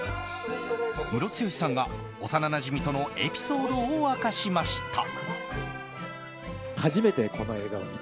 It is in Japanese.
ムロツヨシさんが、幼なじみとのエピソードを明かしました。